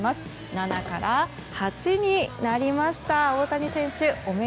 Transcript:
７から８になりました。